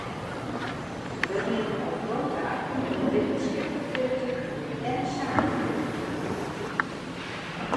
Der wienen oant no ta in wittenskiplik direkteur en in saaklik direkteur.